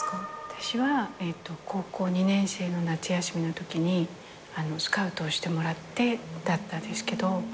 私は高校２年生の夏休みのときにスカウトをしてもらってだったですけど。